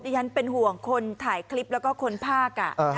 ดังนั้นเป็นห่วงคนถ่ายคลิปแล้วก็คนภาคอ่ะอ่าฮะ